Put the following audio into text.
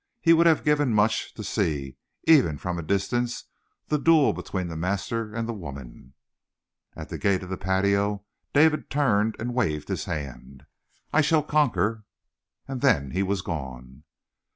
He would have given much to see even from a distance the duel between the master and the woman. At the gate of the patio David turned and waved his hand. "I shall conquer!" And then he was gone.